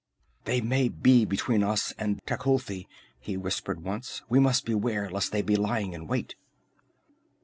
"They may be between us and Tecuhltli!" he whispered once. "We must beware lest they be lying in wait!"